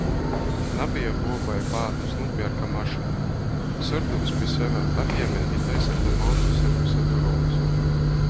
"Nabeja buobai bādys, nūpierka mašynu!" syrdūs pi seve, apjiemeigi taiseidama autoservisa durovys.